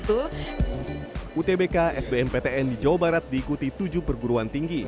utbk sbm ptn di jawa barat diikuti tujuh perguruan tinggi